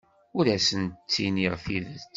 Ur asent-ttiniɣ tidet.